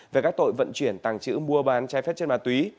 về các tội vận chuyển tàng chữ mua bán trái phép trên ma túy